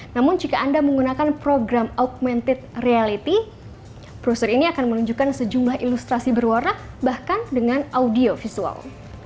namun jika anda menggunakan program augmented reality brosur ini akan menunjukkan sejumlah ilustrasi berwarna bahkan dengan audio visual